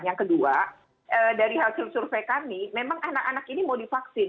yang kedua dari hasil survei kami memang anak anak ini mau divaksin